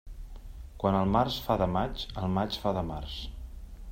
Quan el març fa de maig, el maig fa de març.